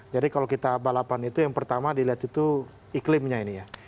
jadi kalau kita balapan itu yang pertama dilihat itu iklimnya ini ya